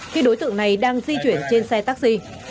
khi đối tượng này đang di chuyển trên xe taxi